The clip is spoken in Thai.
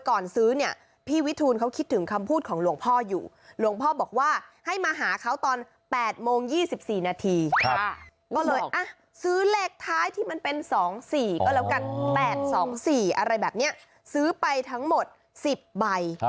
ก็แล้วกัน๘๒๔อะไรแบบเนี่ยซื้อไปทั้งหมด๑๐ใบ